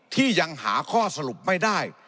ที่ยังหาข้อสรุปไม่ได้